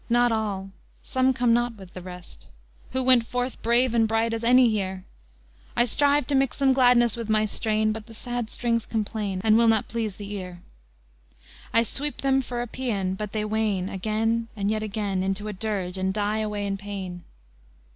not all! some come not with the rest, Who went forth brave and bright as any here! I strive to mix some gladness with my strain, But the sad strings complain, And will not please the ear: I sweep them for a pæan, but they wane Again and yet again Into a dirge, and die away in pain.